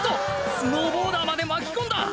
スノーボーダーまで巻き込んだ！